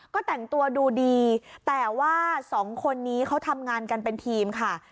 ก็แต่งตัวดูดีแต่ว่าสองคนนี้เขาทำงานกันเป็นทีมค่ะ